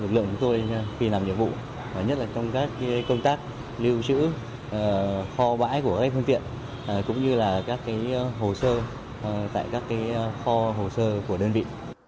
lực lượng chúng tôi khi làm nhiệm vụ nhất là trong các công tác lưu trữ kho bãi của các phương tiện cũng như là các hồ sơ tại các kho hồ sơ của đơn vị